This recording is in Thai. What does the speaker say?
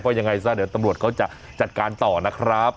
ยังไงซะเดี๋ยวตำรวจเขาจะจัดการต่อนะครับ